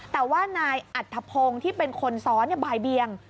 แต่ว่านายอัธพงศ์ที่เป็นคนซ้อนบ่ายเบียง